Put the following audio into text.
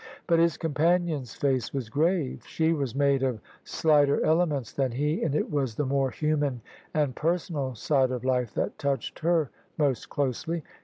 But his companion's face was grave. She was made of slighter elements than he; and it was the more human and personal side of life that touched her most closely.